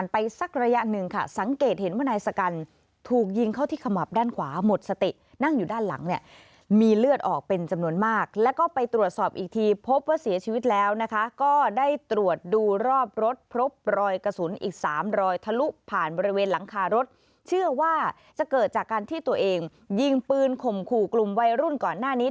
ไปสักระยะหนึ่งค่ะสังเกตเห็นว่านายสกันถูกยิงเข้าที่ขมับด้านขวาหมดสตินั่งอยู่ด้านหลังเนี่ยมีเลือดออกเป็นจำนวนมากแล้วก็ไปตรวจสอบอีกทีพบว่าเสียชีวิตแล้วนะคะก็ได้ตรวจดูรอบรถพบรอยกระสุนอีก๓รอยทะลุผ่านบริเวณหลังคารถเชื่อว่าจะเกิดจากการที่ตัวเองยิงปืนข่มขู่กลุ่มวัยรุ่นก่อนหน้านี้